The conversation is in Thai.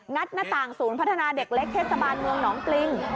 งัดหน้าถ่างศูนย์พัฒนาเด็กเล็กเทศสบายประกอบน้องกลิ่ง